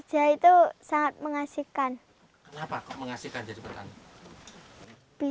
selain anak anak wintaus aksa juga bisa memperoleh makanan yang bisa dikelola sendiri